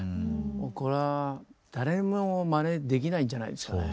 もうこれは誰にもまねできないんじゃないですかね。